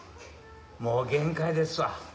もう限界ですわ。